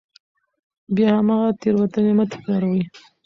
بیا هماغه تېروتنې مه تکراروئ.